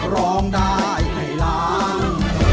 ร้องได้ให้ร้อง